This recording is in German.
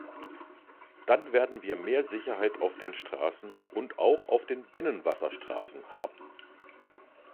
Dann werden wir mehr Sicherheit auf den Straßen und auch auf den Binnenwasserstraßen haben.